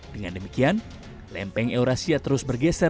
dengan demikian lempeng eurasia terus bergeser